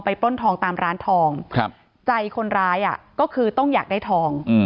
ปล้นทองตามร้านทองครับใจคนร้ายอ่ะก็คือต้องอยากได้ทอง